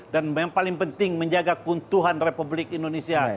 dan yang paling penting menjaga keuntuhan republik indonesia